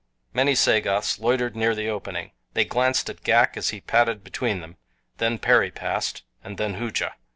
Many Sagoths loitered near the opening. They glanced at Ghak as he padded between them. Then Perry passed, and then Hooja.